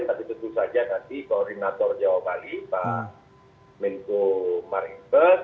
tapi tentu saja nanti koordinator jawa bali pak menko marinves